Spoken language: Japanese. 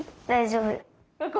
大丈夫。